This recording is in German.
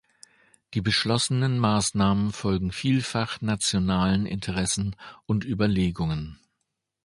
Die beschlossenen Maßnahmen folgen vielfach nationalen Interessen und Überlegungen.